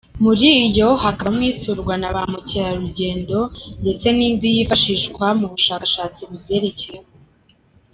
Muri yo hakabamo isurwa na ba mukerarugendo ndetse n’indi yifashishwa mu bushakashatsi buzerekeyeho.